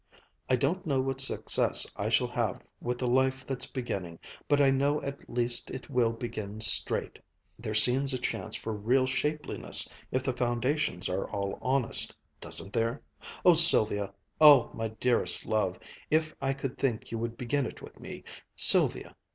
I don't know what success I shall have with the life that's beginning, but I know at least it will begin straight. There seems a chance for real shapeliness if the foundations are all honest doesn't there? Oh, Sylvia oh, my dearest love, if I could think you would begin it with me, Sylvia!